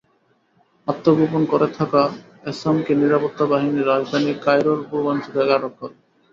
আত্মগোপন করে থাকা এসামকে নিরাপত্তা বাহিনী রাজধানী কায়রোর পূর্বাঞ্চল থেকে আটক করে।